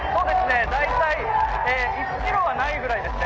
大体１ｋｍはないぐらいですね。